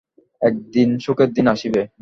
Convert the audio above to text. একদিন সুখের দিন আসিবে।